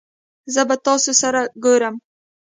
زه به تاسو سره ګورم